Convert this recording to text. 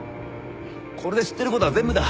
これで知ってることは全部だ。